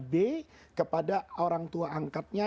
b kepada orang tua angkatnya